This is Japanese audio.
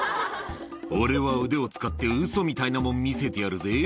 俺は腕を使って、ウソみたいなもん、見せてやるぜ。